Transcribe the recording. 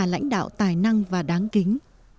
lãnh đạo tài năng và đáng kính